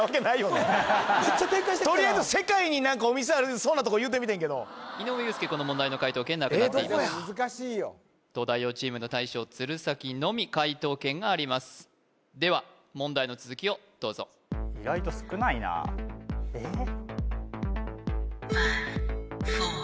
とりあえず世界にお店ありそうなとこ言うてみてんけど井上裕介この問題の解答権なくなっています東大王チームの大将鶴崎のみ解答権がありますでは問題の続きをどうぞ意外と少ないなえっ？